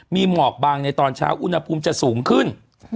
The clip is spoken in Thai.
มีหมอกบางในตอนเช้าอุณหภูมิจะสูงขึ้น